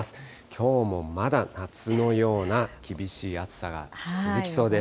きょうもまだ夏のような厳しい暑さが続きそうです。